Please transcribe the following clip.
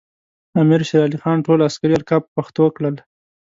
امیر شیر علی خان ټول عسکري القاب پښتو کړل.